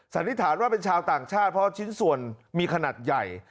สันนิษฐานว่าเป็นชาวต่างชาติเพราะชิ้นส่วนมีขนาดใหญ่